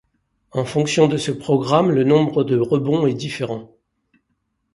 En fonction de ce programme, le nombre de rebond est différent.